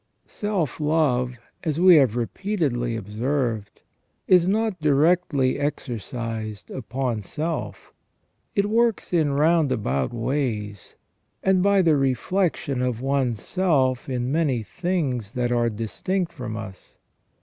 Self love, as we have repeatedly observed, is not directly exer cised upon self. It works in roundabout ways, and by the reflec tion of one's self in many things that are distinct from us.